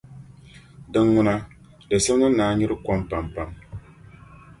dinŋuna di simdi ni a nyuri kom pampam.